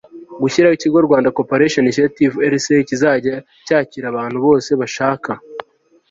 gushyiraho ikigo Rwanda Cooperation Initiative RCI kizajya cyakira abantu bose bashaka